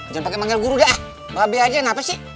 jangan pake manggel guru dah mba be aja kenapa sih